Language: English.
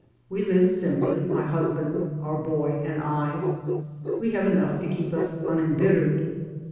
We live simply, my husband, our boy, and I. We have enough to keep us unembittered.